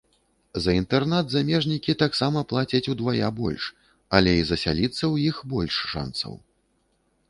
За інтэрнат замежнікі таксама плацяць удвая больш, але і засяліцца ў іх больш шанцаў.